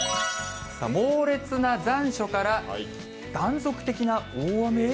猛烈な残暑から断続的な大雨へ？